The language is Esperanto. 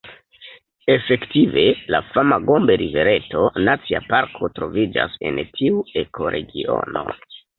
Efektive, la fama Gombe-rivereto Nacia Parko troviĝas en tiu ekoregiono.